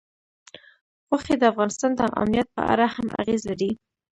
غوښې د افغانستان د امنیت په اړه هم اغېز لري.